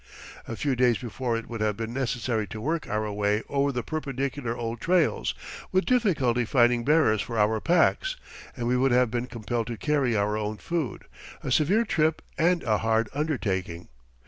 A few days before it would have been necessary to work our way over the perpendicular old trails, with difficulty finding bearers for our packs, and we would have been compelled to carry our own food, a severe trip and a hard undertaking.